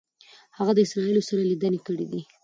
هغه د اسرائیلو سره لیدنې کړي دي.